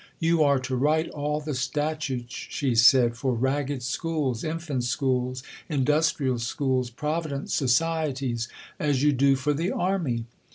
'You are to write all the statutes,' she said, 'for Ragged Schools, Infant Schools, Industrial Schools, Provident Societies, as you do for the Army.'"